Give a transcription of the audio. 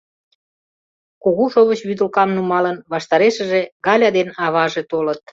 Кугу шовыч вӱдылкам нумалын, ваштарешыже Галя ден аваже толыт.